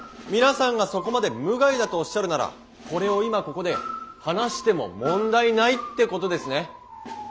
皆さんがそこまで無害だとおっしゃるならこれを今ここで放しても問題ないってことですね！？」。